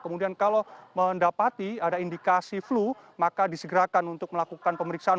kemudian kalau mendapati ada indikasi flu maka disegerakan untuk melakukan pemeriksaan